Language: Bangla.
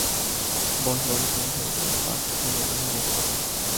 বয়স বাড়ার সঙ্গে সঙ্গে বাড়তে থাকে কাজের দক্ষতা।